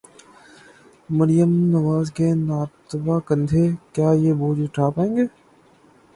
مریم نواز کے ناتواں کندھے، کیا یہ بوجھ اٹھا پائیں گے؟